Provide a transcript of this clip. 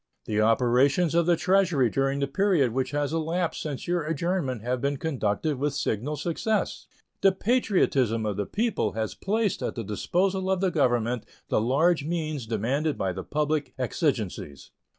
The operations of the Treasury during the period which has elapsed since your adjournment have been conducted with signal success. The patriotism of the people has placed at the disposal of the Government the large means demanded by the public exigencies.